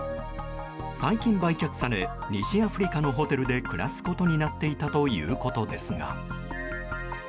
最近売却され西アフリカのホテルで暮らすことになっていたということですが。